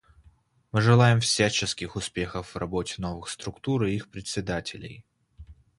Мы желаем всяческих успехов в работе новых структур и их председателей.